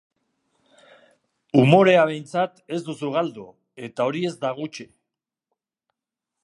Umorea behintzat ez duzu galdu, eta hori ez da gutxi.